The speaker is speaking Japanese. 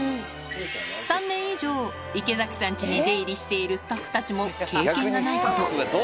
３年以上、池崎さんちに出入りしているスタッフたちも経験がないこと。